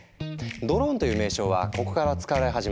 ドローンという名称はここから使われ始めたそう。